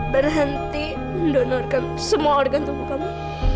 berhenti mendonorkan semua organ tubuh kamu